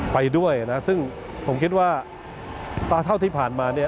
ไปด้วยฯก็คิดว่า